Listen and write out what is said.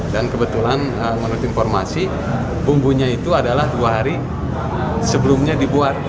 dan kebetulan menurut informasi bumbunya itu adalah dua hari sebelumnya dibuat